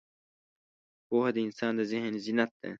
پوهه د انسان د ذهن زینت ده.